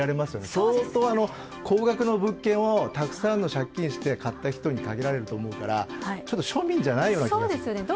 相当、高額の物件をたくさんの借金して買った人に限られると思うから、ちょっと庶民じゃないような気が。